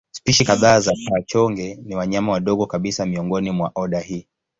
Spishi kadhaa za paa-chonge ni wanyama wadogo kabisa miongoni mwa oda hii.